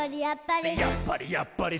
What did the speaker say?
「やっぱり！